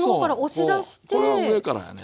これは上からやね。